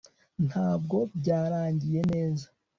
ntabwo byarangiye neza